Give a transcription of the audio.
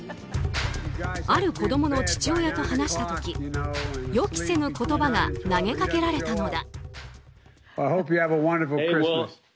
ある子供の父親と話した時予期せぬ言葉が投げかけられたのだ。